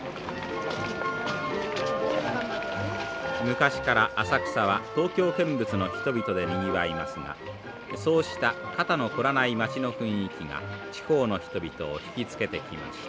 昔から浅草は東京見物の人々でにぎわいますがそうした肩の凝らない街の雰囲気が地方の人々をひきつけてきました。